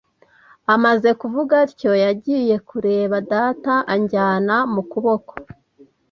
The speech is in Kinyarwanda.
Amaze kuvuga atyo, yagiye kureba data, anjyana mu kuboko.